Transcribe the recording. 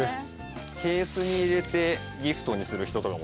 ケースに入れてギフトにする人とかもいます。